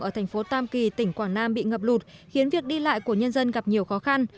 ở thành phố tam kỳ tỉnh quảng nam bị ngập lụt khiến việc đi lại của nhân dân gặp nhiều khó khăn